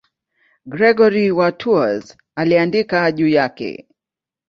Gregori wa Tours aliandika juu yake.